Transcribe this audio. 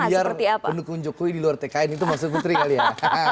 orang orang liar penuh kunjuk kuih di luar tkn itu masa putri kali ya